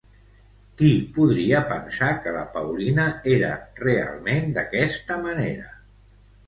Qui podria pensar que la Paulina era realment d'aquesta manera?